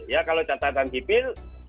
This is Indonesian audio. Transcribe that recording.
ya kalau catatan sipil